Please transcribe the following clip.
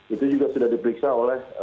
itu juga sudah diperiksa oleh